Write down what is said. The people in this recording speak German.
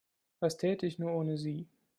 Was täte ich nur ohne Sie?